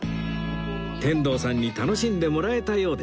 天童さんに楽しんでもらえたようです